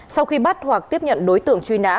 sau khi bắt hoặc tiếp nhận đối tượng truy nã